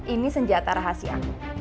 ini senjata rahasia